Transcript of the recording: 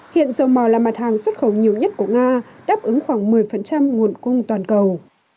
hiện dầu mỏ là mặt hàng xuất khẩu nhiều nhất của nga đáp ứng khoảng một mươi nguồn cung toàn cầu